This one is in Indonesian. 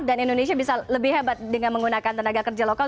dan indonesia bisa lebih hebat dengan menggunakan tenaga kerja lokal